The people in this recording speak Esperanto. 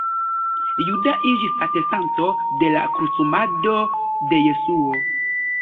Juda iĝis atestanto de la krucumado de Jesuo.